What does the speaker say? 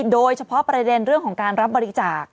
โดยเฉพาะประเด็นเรื่องของการรับบริจาค